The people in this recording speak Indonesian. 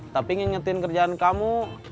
tapi ngingetin kerjaan kamu